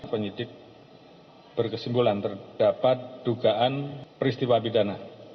penyidik berkesimpulan terdapat dugaan peristiwa pidana